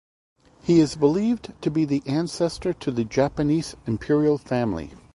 He is believed to be the ancestor to the Japanese imperial family.